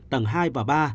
tầng hai và ba